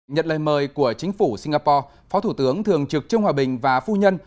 nhận lời mời của chính phủ singapore phó thủ tướng thường trực trương hòa bình và phu nhân